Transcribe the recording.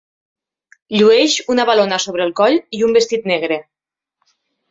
Llueix una valona sobre el coll i un vestit negre.